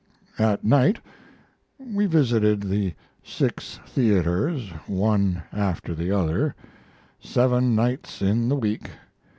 At night we visited the six theaters, one after the other, seven nights in the week.